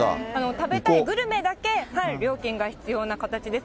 食べたいグルメだけ料金が必要な形です。